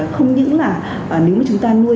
không những là nếu chúng ta nuôi